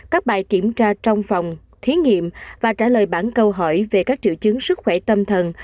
các bài kiểm tra trong phòng thí nghiệm và trả lời bản câu hỏi về các triệu chứng sức khỏe tâm thần